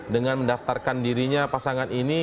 dengan mendaftarkan dirinya pasangan ini